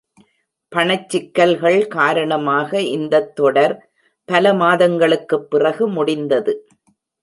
பணச் சிக்கல்கள் காரணமாக இந்தத் தொடர் பல மாதங்களுக்குப் பிறகு முடிந்தது.